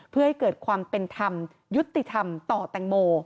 เพื่อให้เกิดความเป็นธรรมยุติธรรมต่อแตงโม